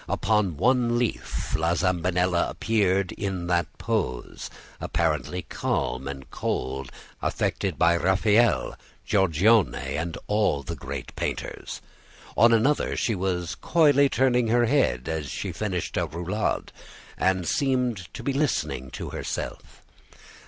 Upon one leaf La Zambinella appeared in that pose, apparently calm and cold, affected by Raphael, Georgione, and all the great painters. On another, she was coyly turning her head as she finished a roulade, and seemed to be listening to herself.